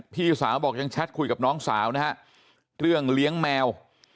พี่สาวบอกยังแชทคุยกับน้องสาวนะฮะเรื่องเลี้ยงแมว